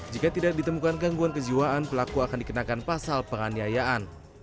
jika tidak ditemukan gangguan kejiwaan pelaku akan dikenakan pasal penganiayaan